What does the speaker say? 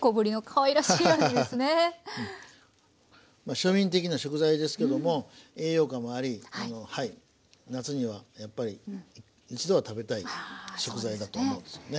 庶民的な食材ですけども栄養価もあり夏にはやっぱり一度は食べたい食材だと思うんですよね。